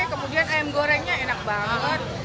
kemudian ayam gorengnya enak banget